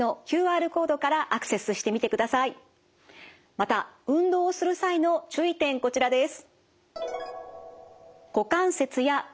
また運動をする際の注意点こちらです。